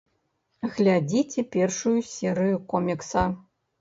Глядзіце першую серыю комікса.